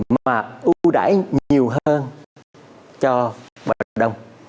mà ưu đãi nhiều hơn cho bờ đông